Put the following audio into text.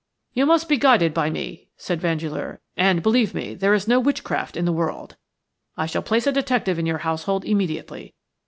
"You must be guided by me," said Vandeleur, "and, believe me, there is no witchcraft in the world. I shall place a detective in your household immediately.